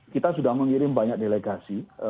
kita sudah mengirim banyak delegasi